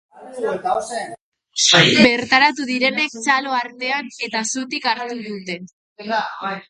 Bertaratu direnek txalo artean eta zutik hartu dute.